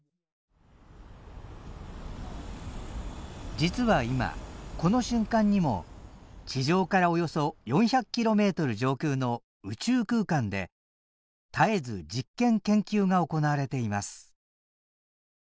実は今この瞬間にも地上からおよそ４００キロメートル上空の宇宙空間で絶えず実験研究が行われています。